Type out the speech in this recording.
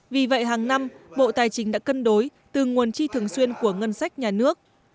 vì vậy hàng năm bộ tài chính đã cân đối từ nguồn chi thường xuyên của ngân sách nhà nước